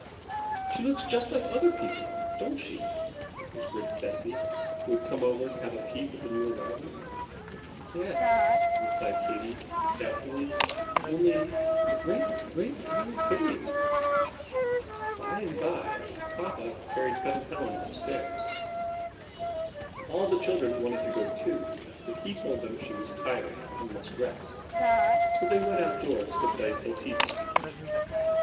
"She looks just like other people, don't she?" whispered Cecy, who had come over to have a peep at the new arrival. "Y e s," replied Katy, doubtfully, "only a great, great deal prettier." By and by, Papa carried Cousin Helen up stairs. All the children wanted to go too, but he told them she was tired, and must rest. So they went out doors to play till tea time.